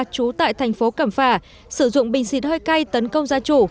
trú tại thành phố cẩm phả sử dụng bình xịt hơi cay tấn công gia chủ